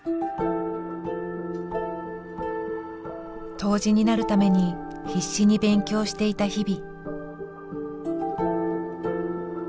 杜氏になるために必死に勉強していた日々。